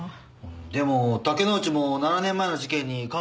でも竹之内も７年前の事件に関係してますよ。